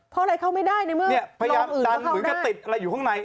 เพราะอะไรเข้าไม่ได้ในเมื่อเนี่ยพยายามดันเหมือนกับติดอะไรอยู่ข้างใน